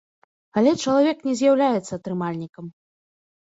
Але чалавек не з'яўляецца атрымальнікам.